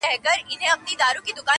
• خو کارګه مي پر بازار نه دی لیدلی -